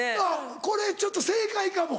これちょっと正解かも。